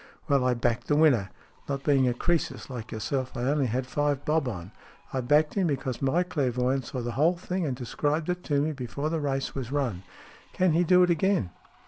"Well, I backed the winner. Not being a Croesus like yourself, I only had five bob on. I backed him, because my clairvoyant saw the whole thing, and described it to me before the race was run." "tan he do it again